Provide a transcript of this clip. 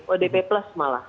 odp plus malah